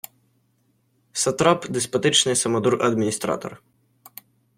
Сатрап — деспотичний самодур-адміністратор